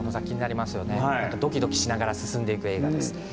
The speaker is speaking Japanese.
どきどきしながら進んでいく映画です。